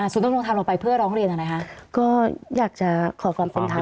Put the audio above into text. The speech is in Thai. อ่าศูนย์ดำรงธรรมเราไปเพื่อร้องเรียนอะไรคะก็อยากจะขอความเป็นธรรม